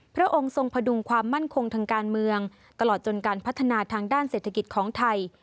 พระองค์ทรงพดุงความมั่นคงทางการเมืองตลอดจนการพัฒนาทางด้านเศรษฐกิจของไทย